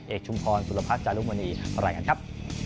เอกชุมพรสุรพัฒน์จานุมณีวันไหล่กันครับ